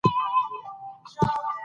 له موږ سره به وي ځکه